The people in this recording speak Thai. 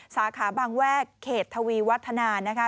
สาขาบางแวกเขตทวีวัฒนานะคะ